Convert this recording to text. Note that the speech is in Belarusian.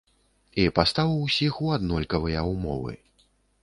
І пастаў усіх у аднолькавыя ўмовы.